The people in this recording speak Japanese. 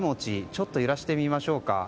ちょっと揺らしてみましょうか。